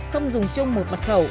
không dùng chung một mật khẩu